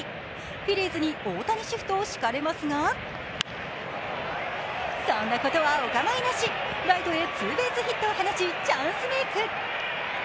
フィリーズに大谷シフトを敷かれますが、そんなことはお構いなし、ライトへツーベースヒットを放ちチャンスメーク。